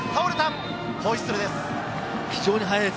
ホイッスルです。